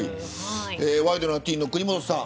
ワイドナティーンの国本さん。